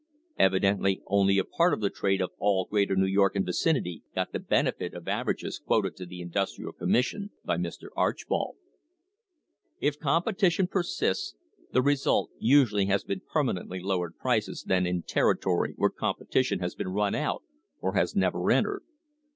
Evidently only a part of the trade of "all Greater New York and vicinity" got the benefit of averages quoted to the Industrial Commission by Mr. Archbold. If competition persists the result usually has been perma nently lower prices than in territory where competition has been run out or has never entered.